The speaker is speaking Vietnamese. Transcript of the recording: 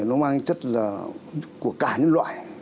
nó mang chất là của cả nhân loại